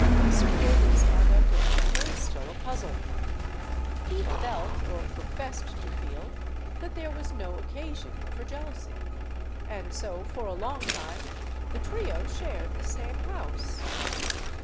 Sir William's conduct in the matter is still a puzzle. He felt, or professed to feel, that there was no occasion for jealousy. And so for a long time the trio shared the same house.